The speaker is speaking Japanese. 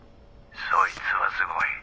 「そいつはすごい。